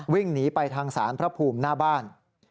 วิ่งหนีไปทางศาลพระภูมิหน้าบ้าน